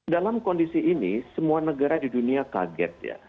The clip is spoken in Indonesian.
dalam kondisi ini semua negara di dunia kaget ya